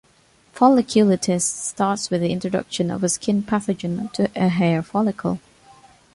Folliculitis starts with the introduction of a skin pathogen to a hair follicle.